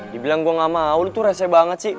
dibilang gue gak mau lu tuh reseh banget sih